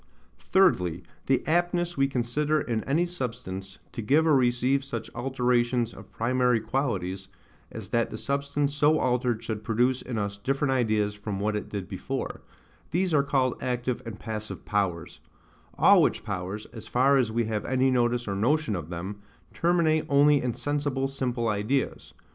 Thirdly, the aptness we consider in any substance, to give or receive such alterations of primary qualities, as that the substance so altered should produce in us different ideas from what it did before; these are called active and passive powers: all which powers, as far as we have any notice or notion of them, terminate only in sensible simple ideas.